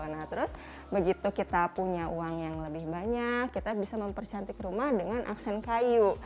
nah terus begitu kita punya uang yang lebih banyak kita bisa mempercantik rumah dengan aksen kayu